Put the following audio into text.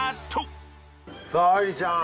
さあ愛梨ちゃん